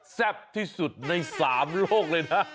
แซ่บที่สุดใน๓โลกเลยนะ